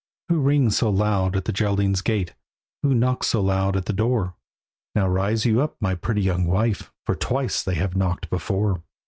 Who rings so loud at the Geraldine's gate? Who knocks so loud at the door? "Now rise you up, my pretty young wife, For twice they have knocked before."